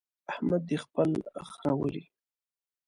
احمد دې خپل خره ولي.